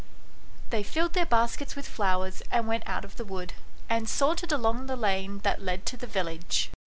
They filled their baskets with flowers and went out of the wood, and sauntered along the lane that led to the village.